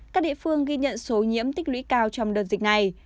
các địa phương ghi nhận số nhiễm tích lũy cao trong đợt dịch này